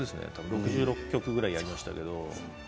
６６曲ぐらいやりましたけど。